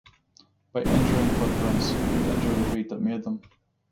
By injuring footprints you injure the feet that made them.